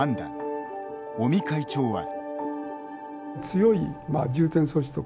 尾身会長は。